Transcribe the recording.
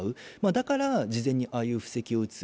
だから事前にああいう布石を打つ。